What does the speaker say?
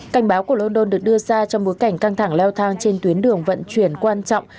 cảnh báo của london được đưa ra trong bối cảnh căng thẳng leo thang trên tuyến đường vận chuyển quan trọng